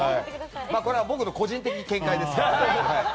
これは僕の個人的見解ですから。